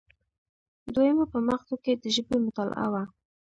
دویمه په مغزو کې د ژبې مطالعه وه